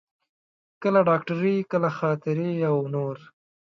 کله ډاکټري، کله خاطرې او نور.